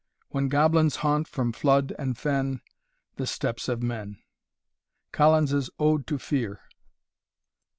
When goblins haunt from flood and fen, The steps of men. COLLINS'S Ode to Fear.